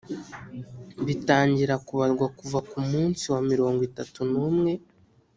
bitangira kubarwa kuva ku munsi wa mirongo itatu n’umwe